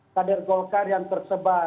kader golkar yang tersebar